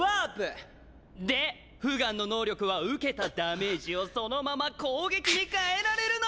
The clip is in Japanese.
でフガンの能力は受けたダメージをそのまま攻撃にかえらえるの！